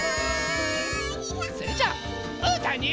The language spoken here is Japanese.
それじゃあうーたんに。